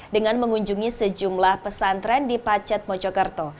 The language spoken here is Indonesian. dengan mengunjungi sejumlah pesantren di pacet mojokerto